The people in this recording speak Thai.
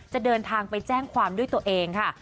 จะเดินทางไปแจ้งความด้วยตัวเองค่ะ